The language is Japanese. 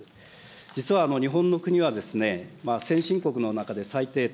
実は日本の国は、先進国の中で最低と。